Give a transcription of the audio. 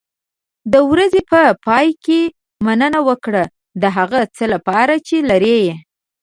د ورځې په پای کې مننه وکړه د هغه څه لپاره چې لرې.